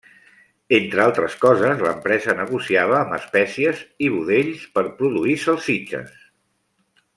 Entre altres coses l'empresa negociava amb espècies i budells per produir salsitxes.